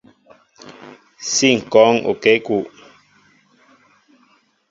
Si ŋkɔɔŋ okěkúw.